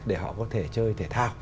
để họ có thể chơi thể thao